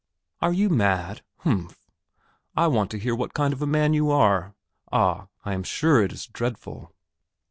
"Are you mad?... Humph, ... I want to hear what kind of a man you are.... Ah, I am sure it is dreadful."